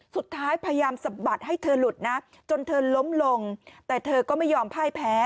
สุดท้ายพยายามสะบัดให้เธอหลุดนะจนเธอล้มลงแต่เธอก็ไม่ยอมพ่ายแพ้